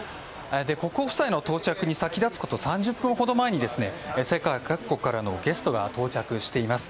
国王夫妻の到着に先立つこと３０分ほど前に世界各国からのゲストが到着しています。